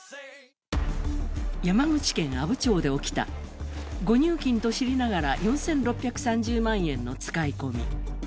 山口県阿武町で起きた誤入金と知りながら４６３０万円の使い込み。